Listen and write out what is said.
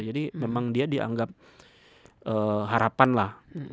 jadi memang dia dianggap harapan lah